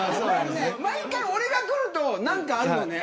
毎回俺が来ると何かあるよね。